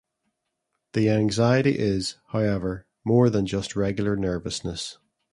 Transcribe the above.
The anxiety is, however, more than just regular nervousness.